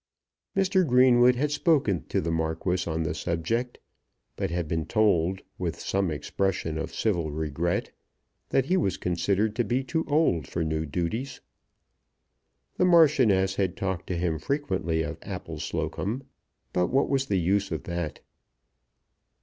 Mr. Greenwood had spoken to the Marquis on the subject; but had been told, with some expression of civil regret, that he was considered to be too old for new duties. The Marchioness had talked to him frequently of Appleslocombe; but what was the use of that?